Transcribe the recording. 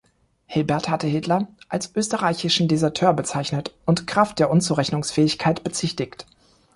Hilbert hatte Hitler als „österreichischen Deserteur“ bezeichnet und Kraft der Unzurechnungsfähigkeit bezichtigt.